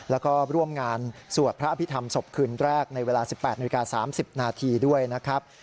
แล้วก็ร่วมงานสวดพระอภิษฐรรมศพคืนแรกในเวลา๑๘นาฬิกา๓๐นาทีด้วยนะครับ